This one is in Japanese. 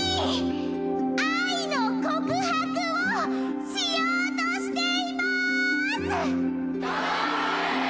愛の告白をしようとしています！